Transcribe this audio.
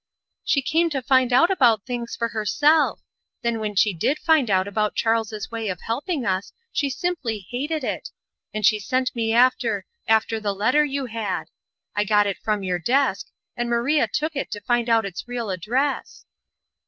"She came to find out about things for herself. Then when she did find out about Charles's way of helping us she simply hated it and she sent me after after the letter you had. I got it from your desk, and Maria took it to find out its real address."